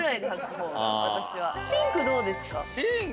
ピンクどうですか？